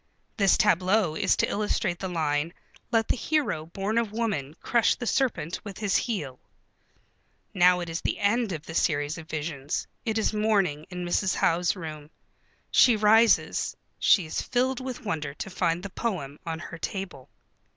This tableau is to illustrate the line: "Let the hero born of woman crush the serpent with his heel." Now it is the end of the series of visions. It is morning in Mrs. Howe's room. She rises. She is filled with wonder to find the poem on her table.